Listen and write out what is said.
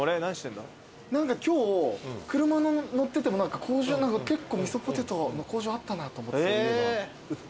今日車乗ってても結構みそぽてとの工場あったなと思って売ってるとこ。